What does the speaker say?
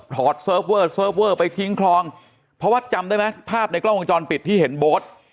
อดเซิร์ฟเวอร์เซิร์ฟเวอร์ไปทิ้งคลองเพราะว่าจำได้ไหมภาพในกล้องวงจรปิดที่เห็นโบ๊ท